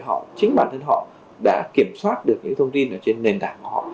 để chính bản thân họ đã kiểm soát được những thông tin trên nền tảng của họ